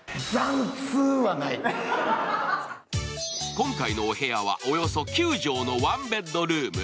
今回のお部屋はおよそ９畳のワンベッドルーム。